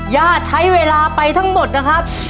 ย่าใช้เวลาไปทั้งหมดนะครับ